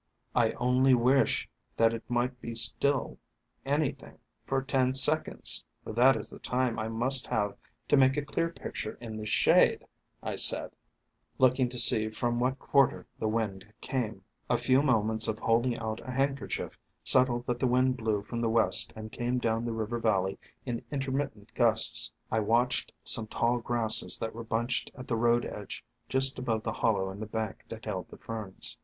"I only wish that it might be still anything for ten seconds, for that is the time I must have to make a clear picture in this shade," I said, look ing to see from what quarter the wind came. A few moments of holding out a handkerchief settled that the wind blew from the west and came 214 THE FANTASIES OF FERNS down the river valley in intermittent gusts. I watched some tall Grasses that were bunched at the road edge just above the hollow in the bank that held the Ferns.